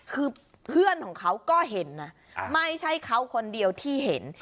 คือเพื่อนของเขาก็เห็นนะไม่ใช่เขาคนเดียวที่เห็น